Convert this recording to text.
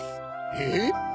えっ！